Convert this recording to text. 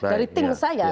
dari tim saya